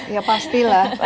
ya pasti lah